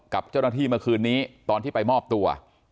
กับเจ้าหน้าที่เมื่อคืนนี้ตอนที่ไปมอบตัว